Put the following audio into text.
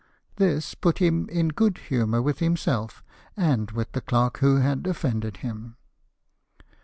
This put him in good humour with himself, and with the clerk who had offended him.